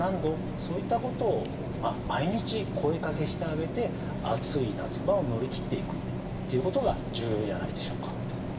そういったことを毎日声かけしてあげて暑い夏場を乗りきっていくということが重要じゃないでしょうか。